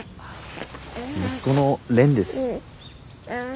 息子の蓮です。